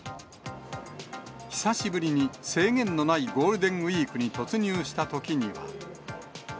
久しぶりに制限のないゴールデンウィークに突入したときには。